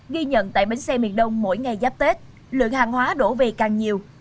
ghi nhận tại bến xe miền đông mỗi ngày giáp tết lượng hàng hóa đổ về càng nhiều